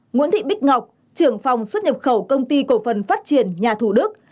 nguyễn thị bích ngọc trưởng phòng xuất nhập khẩu công ty cổ phần phát triển nhà thủ đức